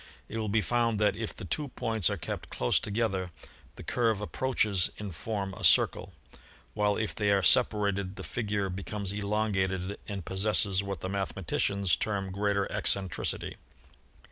It will be found that if the two points are kept close together the curve approaches in form a circle, while if they are separated the figure becomes elongated and possesses what the mathematicians term greater eccentricity.